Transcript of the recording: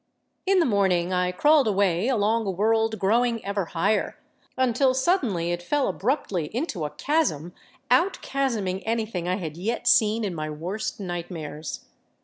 In the morning I crawled away along a world growing ever higher, until suddenly it fell abruptly into a chasm out chasming anything I had yet seen in my worst nightmares.